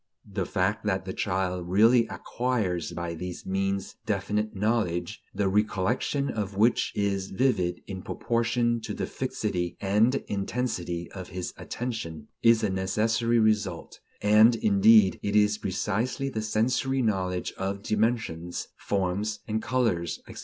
The fact that the child really acquires by these means definite knowledge, the recollection of which is vivid in proportion to the fixity and intensity of his attention, is a necessary result; and, indeed, it is precisely the sensory knowledge of dimensions, forms and colors, etc.